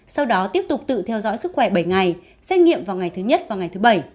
sau đó tiếp tục tự theo dõi sức khỏe bảy ngày xét nghiệm vào ngày thứ nhất và ngày thứ bảy